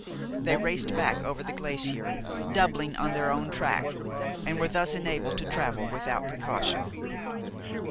They raced back over the glacier, doubling on their own track, and were thus enabled to travel without precaution.